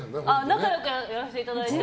仲良くやらせていただいてるので。